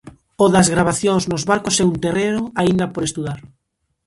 O das gravacións nos barcos é un terreo aínda por estudar.